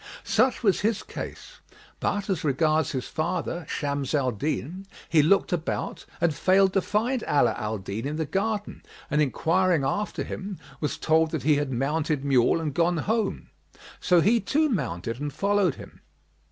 Such was his case; but as regards his father, Shams al Din, he looked about and failed to find Ala al Din in the garden and enquiring after him, was told that he had mounted mule and gone home; so he too mounted and followed him.